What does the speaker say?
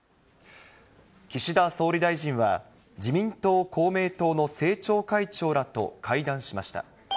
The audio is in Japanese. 岸田総理大臣は、自民党、公明党の政調会長らと会談しました。